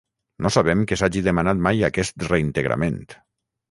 No sabem que s'hagi demanat mai aquest reintegrament.